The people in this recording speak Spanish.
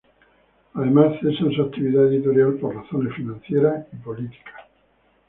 Además, cesa en su actividad editorial por razones financieras y políticas.